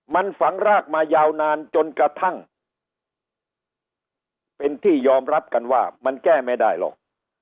มันฝังรากมายาวนานจนกระทั่งเป็นที่ยอมรับกันว่ามันแก้ไม่ได้หรอก